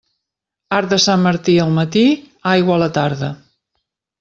Arc de Sant Martí al matí, aigua a la tarda.